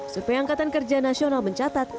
survei angkatan kerja nasional mencatat